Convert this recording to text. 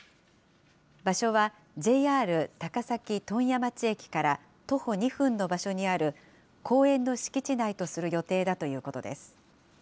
場所はＪＲ高崎問屋町駅から徒歩２分の場所にある公園の敷地内とする予定だということです。